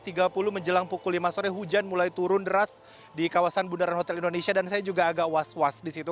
nah tadi pada pukul kurang lebih enam belas tiga puluh menjelang pukul lima sore hujan mulai turun deras di kawasan bundaran hotel indonesia dan saya juga agak was was di situ